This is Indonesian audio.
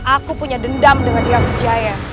aku punya dendam dengan dia kejaya